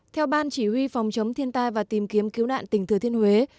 theo ban chỉ huy phòng chống thiên tai và tìm kiếm cứu nạn tỉnh thừa thiên huế